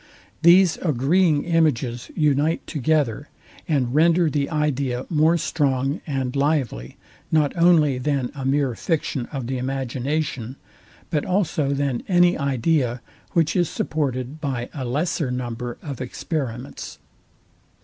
These agreeing images unite together, and render the idea more strong and lively, not only than a mere fiction of the imagination, but also than any idea, which is supported by a lesser number of experiments.